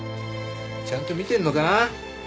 ちゃんと見てるのか？